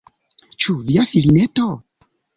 Ĉu via filineto?